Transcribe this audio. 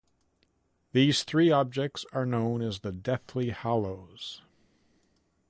These three objects are known as the Deathly Hallows.